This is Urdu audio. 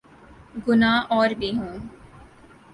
گناہ اور بھی ہوں۔